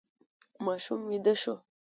ماشوم ویده شو.